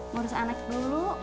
ngurus anak dulu